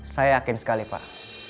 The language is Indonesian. saya yakin sekali pak